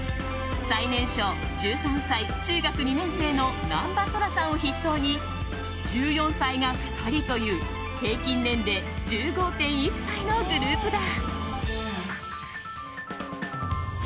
最年少１３歳、中学２年生の難波碧空さんを筆頭に１４歳が２人という平均年齢１５．１歳のグループだ。